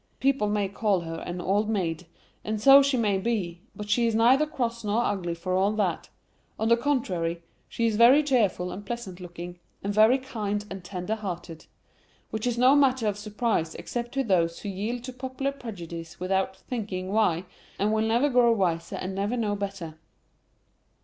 People may call her an old maid, and so she may be, but she is neither cross nor ugly for all that; on the contrary, she is very cheerful and pleasant looking, and very kind and tender hearted: which is no matter of surprise except to those who yield to popular prejudices without thinking why, and will never grow wiser and never know better.